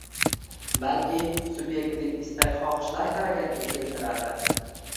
balki sub’ektiv istak-xohishlar harakatga keltiradi.